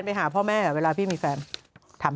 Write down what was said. ไม่ไปเลยอะ